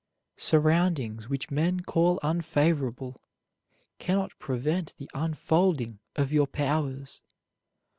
Surroundings which men call unfavorable can not prevent the unfolding of your powers.